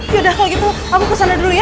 ya udah kalau gitu aku kesana dulu ya